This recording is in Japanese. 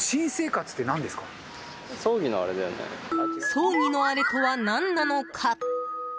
葬儀のあれとは何なのか？